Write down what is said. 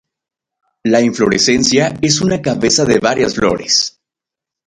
La inflorescencia es una cabeza de varias flores.